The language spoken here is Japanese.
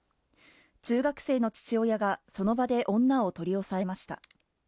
中学生の父親がその場で女を取り押さえました。